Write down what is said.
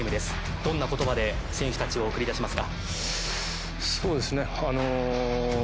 どんな言葉で選手たちを送り出しますか。